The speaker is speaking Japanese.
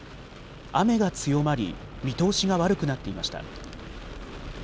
雨が強まり見通しが悪くなっていました。